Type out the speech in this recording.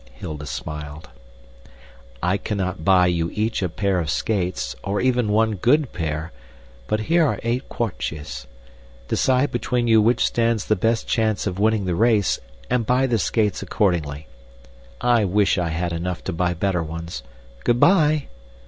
Hilda smiled. "I cannot buy you each a pair of skates, or even one good pair, but here are eight kwartjes. Decide between you which stands the best chance of winning the race, and buy the skates accordingly. I wish I had enough to buy better ones. Good bye!"